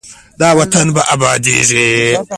دا وطن به ابادیږي.